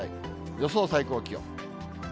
予想最高気温。